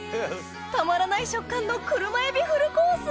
たまらない食感の車海老フルコース